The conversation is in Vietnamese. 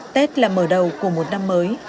tết là mở đầu của một năm mới